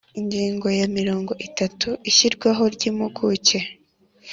Ingingo ya mirongo itatu Ishyirwaho ry Impuguke